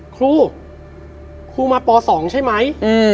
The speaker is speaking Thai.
ครูครูมาป๒ใช่ไหม